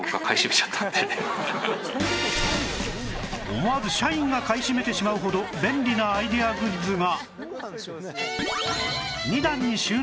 思わず社員が買い占めてしまうほど便利なアイデアグッズが